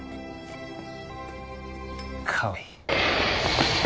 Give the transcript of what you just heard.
かわいい。